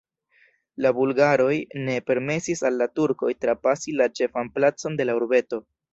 La bulgaroj ne permesis al la turkoj trapasi la ĉefan placon de la urbeto.